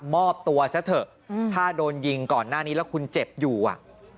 มอบตัวซะเถอะถ้าโดนยิงก่อนหน้านี้แล้วคุณเจ็บอยู่อ่ะ